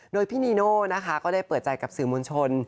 โดยพี่นีโน่นะคะก็ได้เปิดใจกับสื่อมวลชน